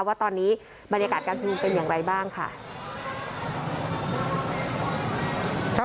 ว่าตอนนี้บรรยากาศการชุมนุมเป็นอย่างไรบ้างค่ะ